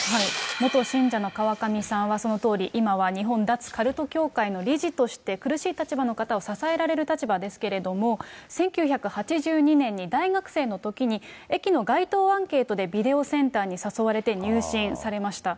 元信者の川上さんはそのとおり、今は日本脱カルト協会の理事として、苦しい立場の方を支えられる立場ですけれども、１９８２年に大学生のときに駅の街頭アンケートでビデオセンターに誘われて入信されました。